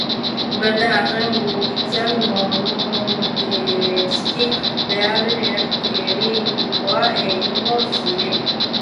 Bertan, Atonen gurtza monoteista berriaren errituak egingo ziren.